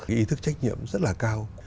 ý thức trách nhiệm rất là cao